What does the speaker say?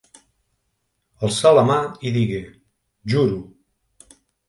Alçà la mà i digué: Juro!